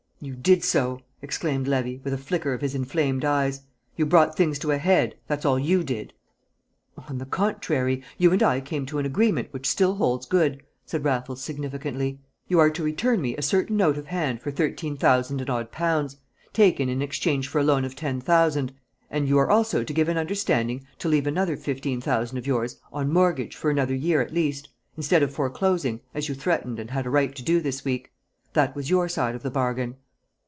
"You did so!" exclaimed Levy, with a flicker of his inflamed eyes. "You brought things to a head; that's all you did." "On the contrary, you and I came to an agreement which still holds good," said Raffles, significantly. "You are to return me a certain note of hand for thirteen thousand and odd pounds, taken in exchange for a loan of ten thousand, and you are also to give an understanding to leave another fifteen thousand of yours on mortgage for another year at least, instead of foreclosing, as you threatened and had a right to do this week. That was your side of the bargain."